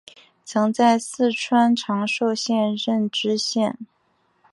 曾在四川长寿县任知县。